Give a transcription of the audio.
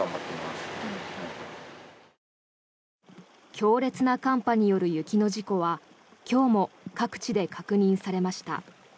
強烈な寒波による雪の事故は今日も各地で確認されました。